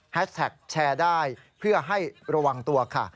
แท็กแชร์ได้เพื่อให้ระวังตัวค่ะ